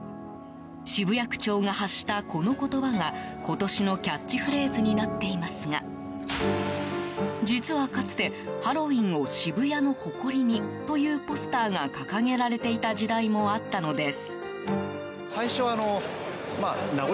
渋谷区長が発したこの言葉が今年のキャッチフレーズになっていますが実はかつて、ハロウィーンを渋谷の誇りにというポスターが掲げられていた時代もあったのです。